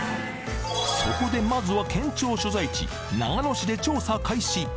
そこでまずは県庁所在地長野市で調査開始